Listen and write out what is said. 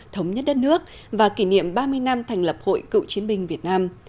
thống nhất đất nước và kỷ niệm ba mươi năm thành lập hội cựu chiến binh việt nam